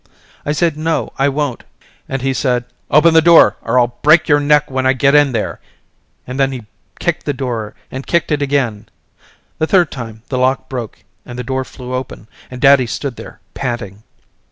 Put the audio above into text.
I said no I won't and he said open the door or I'll break your neck when I get in there and then he kicked the door and kicked it again. The third time the lock broke and the door flew open and daddy stood there panting.